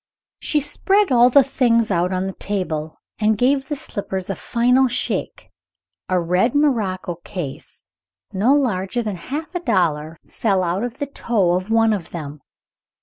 She spread all the things out on the table, and gave the slippers a final shake. A red morocco case, no larger than half a dollar, fell out of the toe of one of them.